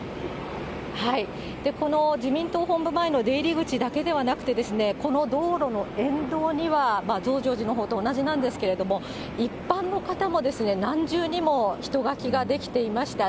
この自民党本部前の出入り口だけではなくて、この道路の沿道には、増上寺のほうと同じなんですけれども、一般の方も何重にも人垣が出来ていました。